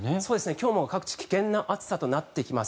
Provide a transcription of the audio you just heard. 今日も各地危険な暑さとなってきます。